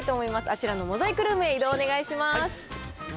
あちらのモザイクルームへ移動お願いします。